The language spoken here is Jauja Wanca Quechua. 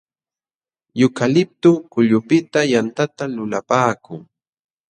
Yukaliptu kullupiqta yantata lulapaakun.